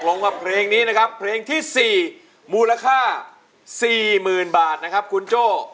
ลงกับเพลงนี้นะครับเพลงที่๔มูลค่า๔๐๐๐บาทนะครับคุณโจ้